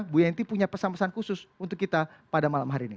bu yenty punya pesan pesan khusus untuk kita pada malam hari ini